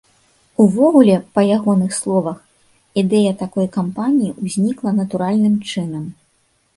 Увогуле, па ягоных словах, ідэя такой кампаніі ўзнікла натуральным чынам.